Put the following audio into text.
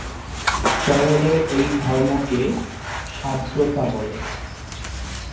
তরলের এই ধর্মকে সান্দ্রতা বলে।